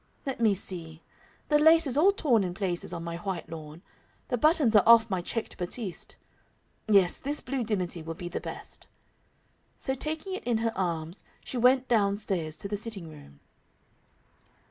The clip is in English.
Let me see the lace is all torn in places on my white lawn. The buttons are off my checked batiste. Yes, this blue dimity will be the best." So taking it in her arms, she went down stairs to the sitting room.